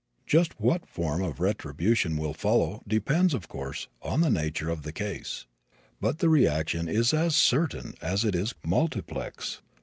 Just what form of retribution will follow depends, of course, on the nature of the case. But the reaction is as certain as it is multiplex.